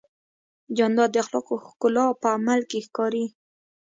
جانداد د اخلاقو ښکلا په عمل کې ښکاري.